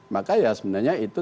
maka ya sebenarnya itu